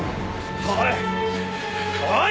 おい！